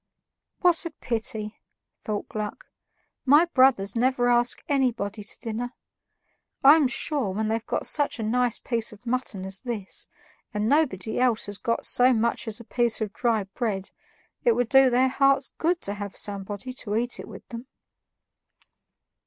"What a pity," thought Gluck, "my brothers never ask anybody to dinner. I'm sure, when they've got such a nice piece of mutton as this, and nobody else has got so much as a piece of dry bread, it would do their hearts good to have somebody to eat it with them."